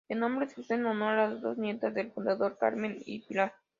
El nombre surgió en honor a las dos nietas del fundador Carmen y Pilar.